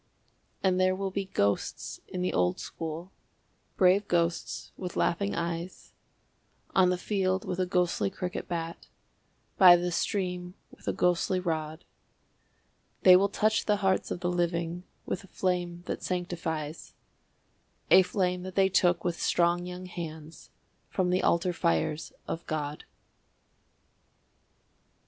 And there will be ghosts in the old school, brave ghosts with laughing eyes, On the field with a ghostly cricket bat, by the stream with a ghostly rod; They will touch the hearts of the living with a flame that sanctifies, A flame that they took with strong young hands from the altar fires of God.